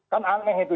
kan aneh itu